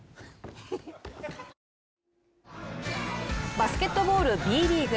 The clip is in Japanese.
バスケットボールＢリーグ。